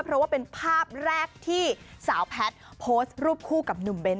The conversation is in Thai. เพราะว่าเป็นภาพแรกที่สาวแพทย์โพสต์รูปคู่กับหนุ่มเบ้น